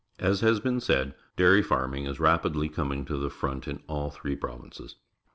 As has been said, dairy farming is rapidly coming to the front in all three provinces.